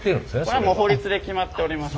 これはもう法律で決まっております。